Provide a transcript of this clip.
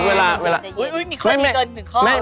อุ๊ยมีข้อดีเกินหนึ่งข้อ